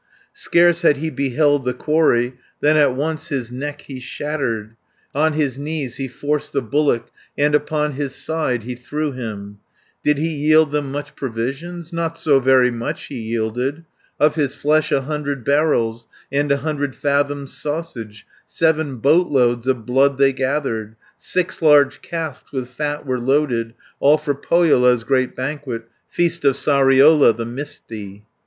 Scarce had he beheld the quarry, Than at once his neck he shattered, On his knees he forced the bullock, And upon his side he threw him. 110 Did he yield them much provisions? Not so very much he yielded. Of his flesh a hundred barrels, And a hundred fathoms sausage; Seven boat loads of blood they gathered, Six large casks with fat were loaded, All for Pohjola's great banquet, Feast of Sariola the misty.